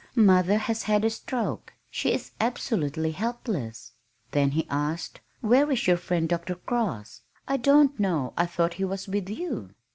Mother has had a stroke! She is absolutely helpless." Then he asked, "Where is your friend Dr. Cross?" "I don't know, I thought he was with you."